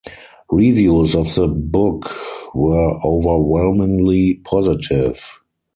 Reviews of the book were overwhelmingly positive.